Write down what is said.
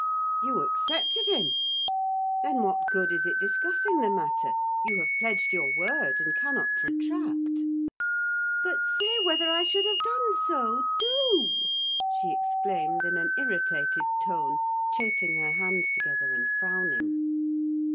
"You accepted him! Then what good is it discussing the matter? You have pledged your word, and cannot retract." "But say whether I should have done so—do!" she exclaimed in an irritated tone; chafing her hands together, and frowning.